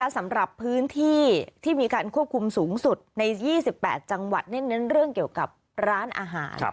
สำหรับพื้นที่ที่มีการควบคุมสูงสุดใน๒๘จังหวัดเน้นเรื่องเกี่ยวกับร้านอาหาร